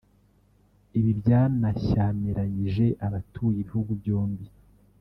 Ibi byanashyamiranyije abatuye ibihugu byombi